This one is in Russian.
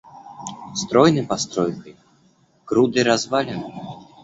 Стройной постройкой, грудой развалин?